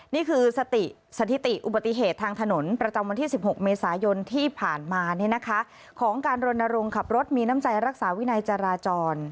นี่คือสถิติอุบัติเหตุทางถนนประจำวันที่๑๖เมษายนที่ผ่านมาของการรณรงค์ขับรถมีน้ำใจรักษาวินัยจราจร